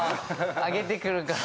上げてくるから。